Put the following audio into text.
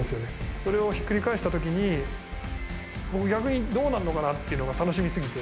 それをひっくり返したときに、逆にどうなるのかなっていうのが楽しみすぎて。